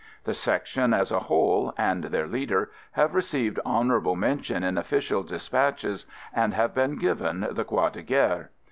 The Section as a whole, and their leader, have received honorable mention in official dispatches and have been given the "Croix de Guerre."